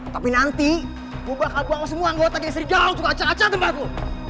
tapi nanti gue bakal bawa semua anggota gesri gaud ke kaca kaca tempatku